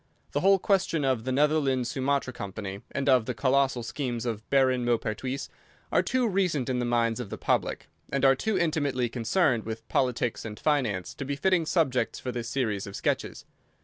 The whole question of the Netherland Sumatra Company and of the colossal schemes of Baron Maupertuis are too recent in the minds of the public, and are too intimately concerned with politics and finance to be fitting subjects for this series of sketches.